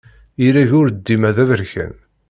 Ireg ur dima d aberkan.